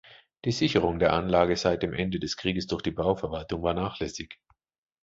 Die Sicherung der Anlage seit dem Ende des Kriegs durch die Bauverwaltung war nachlässig.